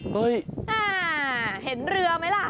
เฮ่ยอ่าเห็นเรือไหมล่ะ